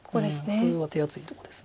それは手厚いとこです。